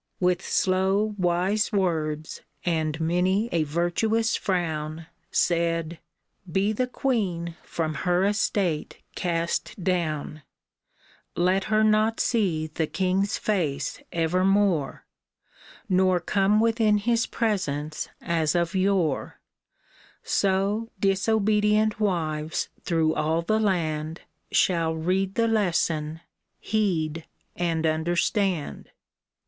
With slow, wise words, and many a virtuous frown, Said, " Be the queen from her estate cast down ! Let her not see the king's face evermore, Nor come within his presence as of yore ; So disobedient wives through all the land Shall read the lesson, heed and understand."